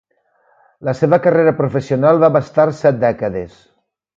La seva carrera professional va abastar set dècades.